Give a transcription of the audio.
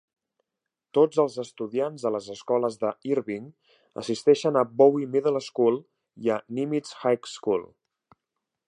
Tots els estudiants de les escoles de Irving assisteixen a Bowie Middle School i a Nimitz High School.